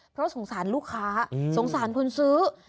เพราะสงสารลูกค้าสงสารคนซื้อ